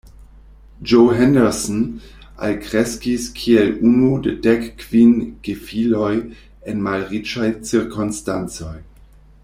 Joe Henderson alkreskis kiel unu de dek kvin gefiloj en malriĉaj cirkonstancoj.